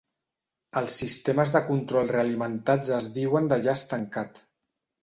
Els sistemes de control realimentats es diuen de llaç tancat.